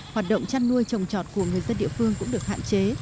hoạt động chăn nuôi trồng trọt của người dân địa phương cũng được hạn chế